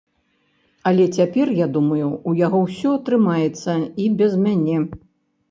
Але цяпер, я думаю, у яго ўсё атрымаецца і без мяне.